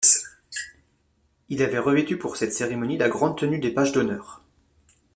Il avait revêtu pour cette cérémonie la grande tenue des pages d’honneur.